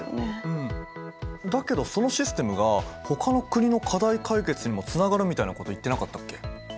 だけどそのシステムがほかの国の課題解決にもつながるみたいなこと言ってなかったっけ？